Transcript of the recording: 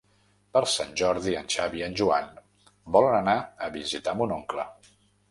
Per Sant Jordi en Xavi i en Joan volen anar a visitar mon oncle.